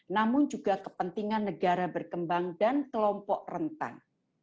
namun juga kepentingan negara berkembang dan kelompok rentan